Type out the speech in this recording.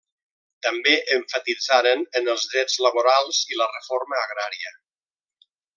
També emfatitzaren en els drets laborals i la reforma agrària.